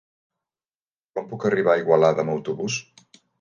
Com puc arribar a Igualada amb autobús?